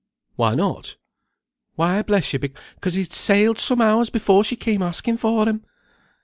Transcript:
"Why not?" "Why, bless you, 'cause he had sailed some hours before she came asking for him."